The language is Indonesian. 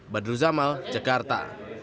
badru zamal jakarta